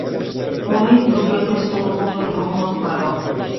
Оној другиот ме сонувал, но недоволно тврдо.